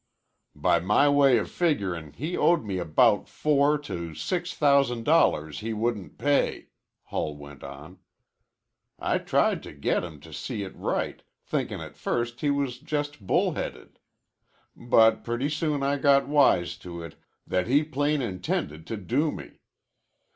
"By my way of figurin' he owed me about four to six thousand dollars he wouldn't pay," Hull went on. "I tried to get him to see it right, thinkin' at first he was just bull headed. But pretty soon I got wise to it that he plain intended to do me.